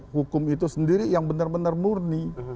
hukum itu sendiri yang benar benar murni